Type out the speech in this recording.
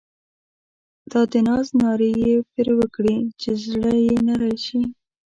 دا د ناز نارې یې پر وکړې چې زړه یې نری شي.